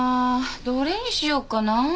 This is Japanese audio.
どれにしようかな？